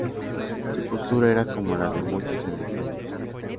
Su postura era como la de muchos en el país.